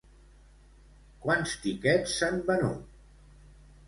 Quants tiquets s'han venut?